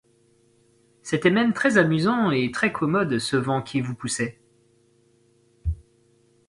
C’était même très amusant et très commode ce vent qui vous poussait !